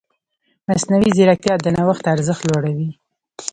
مصنوعي ځیرکتیا د نوښت ارزښت لوړوي.